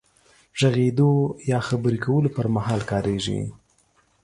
غږېدو يا خبرې کولو پر مهال کارېږي.